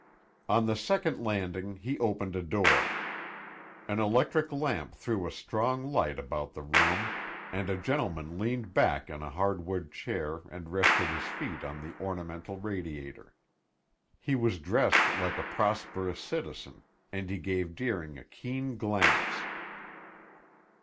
On the second landing he opened a door. An electric lamp threw a strong light about the room, and a gentleman leaned back in a hardwood chair and rested his feet on the ornamental radiator. He was dressed like a prosperous citizen, and he gave Deering a keen glance.